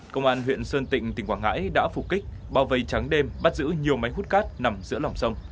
công an huyện sơn tịnh tỉnh quảng ngãi đã phục kích bao vây trắng đêm bắt giữ nhiều máy hút cát nằm giữa lòng sông